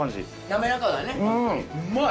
滑らかだねうまい！